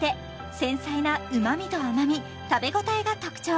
繊細な旨みと甘み食べ応えが特徴